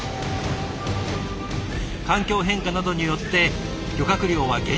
環境変化などによって漁獲量は減少。